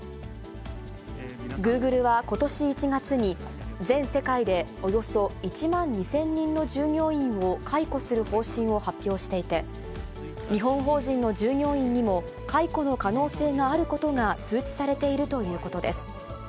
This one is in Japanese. グーグルはことし１月に、全世界でおよそ１万２０００人の従業員を解雇する方針を発表していて、日本法人の従業員にも解雇の可能性があることが通知されているということです。